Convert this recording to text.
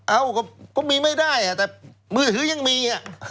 อ้าวก็มีไม่ได้แต่มือถือยังมีอ่ะ